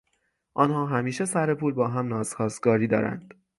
آنها همیشه سر پول با هم ناسازگاری دارند.